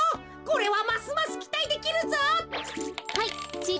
これはますますきたいできるぞ。はいちぃ